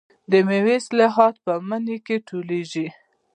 د میوو حاصلات په مني کې ټولېږي.